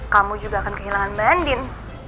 kamu juga akan kehilangan mbak andin